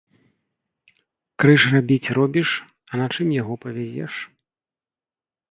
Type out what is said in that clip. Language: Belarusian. Крыж рабіць робіш, а на чым яго павязеш?